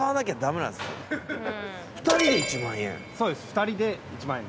２人で１万円？